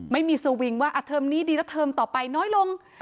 ไม่มีสวิงว่าเทอมนี้ดีแล้วเทอมต่อไปน้อยลง